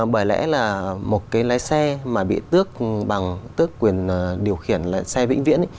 bởi lẽ là một cái lái xe mà bị tước bằng tước quyền điều khiển là xe vĩnh viễn